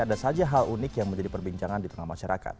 ada saja hal unik yang menjadi perbincangan di tengah masyarakat